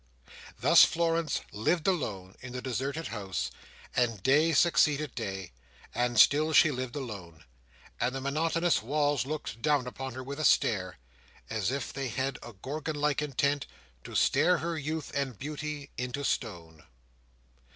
Thus Florence lived alone in the deserted house, and day succeeded day, and still she lived alone, and the monotonous walls looked down upon her with a stare, as if they had a Gorgon like intent to stare her youth and beauty into stone.